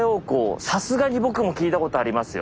さすがに僕も聞いたことありますよ。